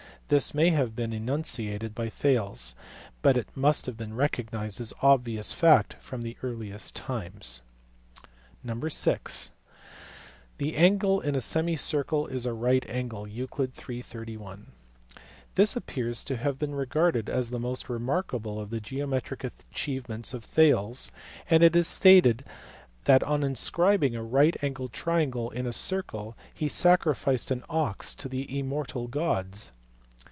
This may have been enunciated by Thales, but it must have been recognized as an obvious fact from the earliest times. (vi) The angle in a semicircle is a right angle (Euc. in. 31). This appears to have been regarded as the most re markable of the geometrical achievements of Thales, and it is stated that on inscribing a right angled triangle in a circle he sacrificed an ox to the immortal gods.